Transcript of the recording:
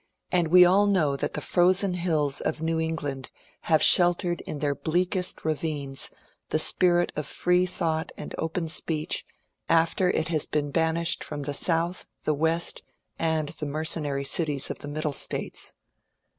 And we all know that the frozen hills of New England have sheltered in their bleakest ravines the spirit of free thought and open speech, after it has been ban ished from the South, the West, and the mercenary cities of the Middle States.